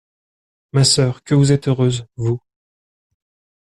Ma sœur, que vous êtes heureuse, vous!